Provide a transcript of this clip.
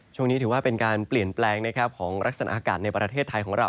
ถือว่าเป็นการเปลี่ยนแปลงของลักษณะอากาศในประเทศไทยของเรา